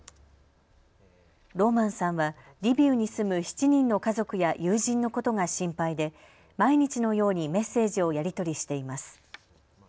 ローマンさんはリビウに住む７人の家族や友人のことが心配で毎日のようにメッセージをやり取りしています。